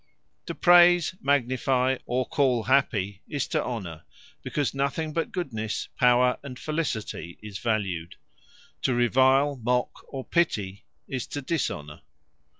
To praise, magnifie, or call happy, is to Honour; because nothing but goodnesse, power, and felicity is valued. To revile, mock, or pitty, is to Dishonour.